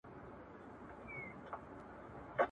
زه له سهاره درسونه تياروم!